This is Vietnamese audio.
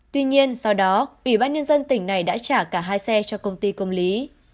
tuy nhiên sau đó ủy ban nhân dân tỉnh này đã trả cả hai xe cho công ty công lý